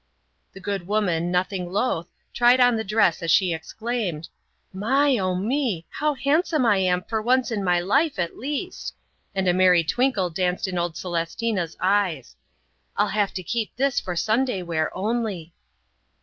The good woman nothing loath tried on the dress as she exclaimed, "My, oh me, how handsome I am for once in my life, at least," and a merry twinkle danced in old Celestina's eyes, "I'll have to keep this for Sunday wear only."